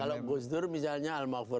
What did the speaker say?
kalau gus dur misalnya almarhum